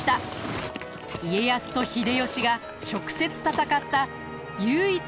家康と秀吉が直接戦った唯一の大戦です。